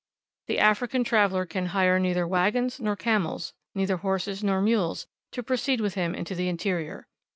The African traveller can hire neither wagons nor camels, neither horses nor mules, to proceed with him into the interior.